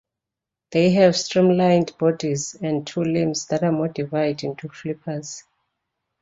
They have streamlined bodies and two limbs that are modified into flippers.